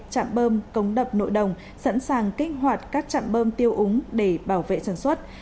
chạm bơm cống đập nội đồng sẵn sàng kích hoạt các trạm bơm tiêu úng để bảo vệ sản xuất